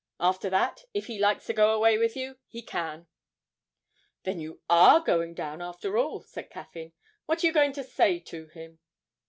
After that, if he likes to go away with you, he can.' 'Then you are going down after all?' said Caffyn. 'What are you going to say to him?'